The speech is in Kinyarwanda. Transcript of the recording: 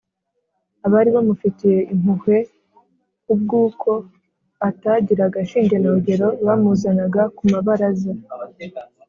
abari bamufitiye impuhwe kubw’uko atagiraga shinge na rugero bamuzanaga ku mabaraza